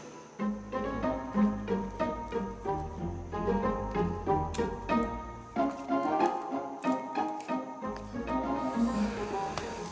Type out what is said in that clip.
bulan depan jangan telan